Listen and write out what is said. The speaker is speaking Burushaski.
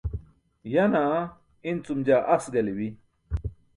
Yaa naa incum jaa as galibi.